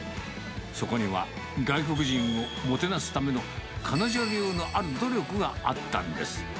そこには、外国人をもてなすための彼女流のある努力があったんです。